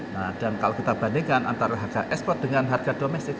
nah dan kalau kita bandingkan antara harga ekspor dengan harga domestik